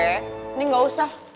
ini gak usah